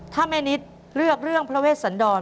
ถ้าแม่นิดเลือกเรื่องพระเวชสันดร